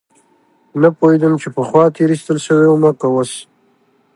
نه پوهېدم چې پخوا تېر ايستل سوى وم که اوس.